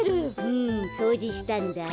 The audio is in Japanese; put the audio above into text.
うんそうじしたんだ。